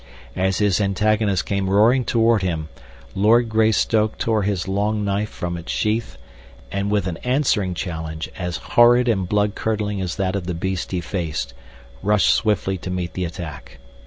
As his antagonist came roaring toward him, Lord Greystoke tore his long knife from its sheath, and with an answering challenge as horrid and bloodcurdling as that of the beast he faced, rushed swiftly to meet the attack.